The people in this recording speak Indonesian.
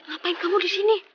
ngapain kamu di sini